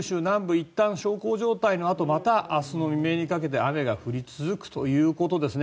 いったん小康状態のあとまた明日の未明にかけて雨が降り続くということですね。